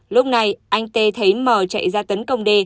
lúc này anh t thấy m chạy ra tấn công d